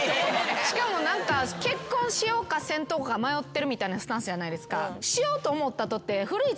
しかも結婚しようかせんとこうか迷ってるみたいなスタンスやないですか。